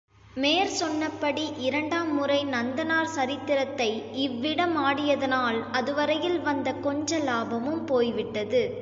மேற் சொன்னபடி இரண்டாம் முறை நந்தனார் சரித்திரத்தை இவ்விடம் ஆடியதனால், அதுவரையில் வந்த கொஞ்ச லாபமும் போய்விட்டது.